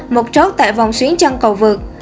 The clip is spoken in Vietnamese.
một chốt tại vòng xuyến chân cầu vượt